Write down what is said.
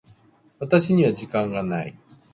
私には時間がない。